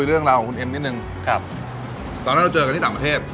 เรื่องราวของคุณเอ็มนิดนึงครับตอนนั้นเราเจอกันที่ต่างประเทศ